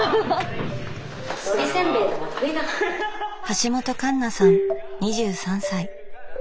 橋本環奈さん２３歳。